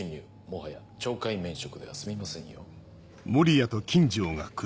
もはや懲戒免職では済みませんよ。